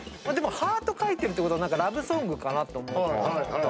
ハート描いてるってことはラブソングかなと思ったの。